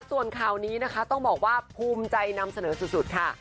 ส่วนข่าวนี้นะคะต้องบอกว่าภูมิใจนำเสนอสุดค่ะ